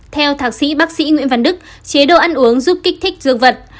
theo thạc sĩ bác sĩ nguyễn văn đức chế độ ăn uống giúp kích thích dương vật